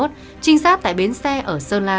trinh sát tại bến xe ở sơn la